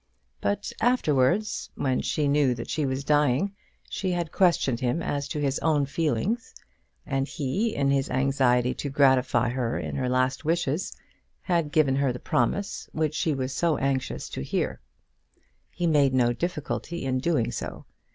But afterwards, when she knew that she was dying, she had questioned him as to his own feelings, and he, in his anxiety to gratify her in her last wishes, had given her the promise which she was so anxious to hear. He made no difficulty in doing so.